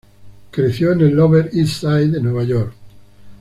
Creció en el Lower East Side de Nueva York.